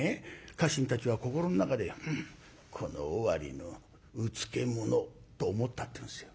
家臣たちは心の中で「この尾張のうつけ者」と思ったっていうんですよ。